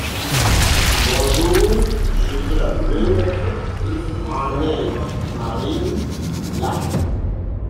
Bonjour, je veux la bleue, en aigue-marine, là.